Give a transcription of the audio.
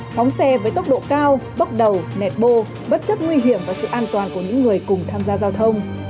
phóng xe với tốc độ cao bốc đầu nẹt bô bất chấp nguy hiểm và sự an toàn của những người cùng tham gia giao thông